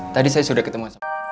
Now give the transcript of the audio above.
tadi saya sudah ketemu